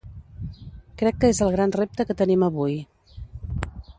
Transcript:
Crec que és el gran repte que tenim avui.